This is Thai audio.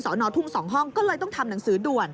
นทุ่ง๒ห้องก็เลยต้องทำหนังสือด่วน